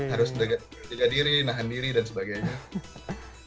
harus menjaga diri nahan diri dan sebagainya